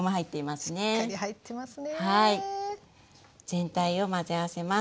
全体を混ぜ合わせます。